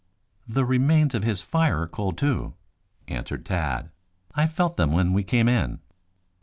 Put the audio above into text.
"The remains of his fire are cold, too," answered Tad. "I felt them when we came in."